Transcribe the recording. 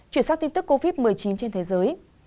chuyển sang tin tức covid một mươi chín trên thế giới